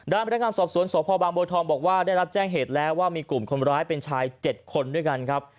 พนักงานสอบสวนสพบางบัวทองบอกว่าได้รับแจ้งเหตุแล้วว่ามีกลุ่มคนร้ายเป็นชาย๗คนด้วยกันครับ